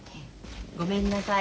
ごめんなさい。